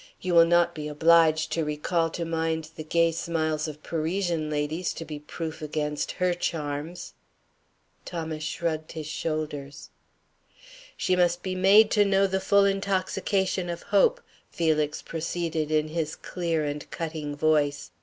You will not be obliged to recall to mind the gay smiles of Parisian ladies to be proof against her charms." Thomas shrugged his shoulders. "She must be made to know the full intoxication of hope," Felix proceeded in his clear and cutting voice.